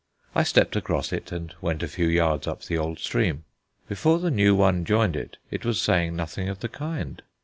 I stepped across it and went a few yards up the old stream. Before the new one joined it, it was saying nothing of the kind.